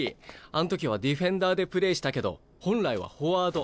あん時はディフェンダーでプレーしたけど本来はフォワード。